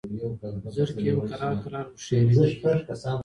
زرکي هم کرار کرار هوښیارېدلې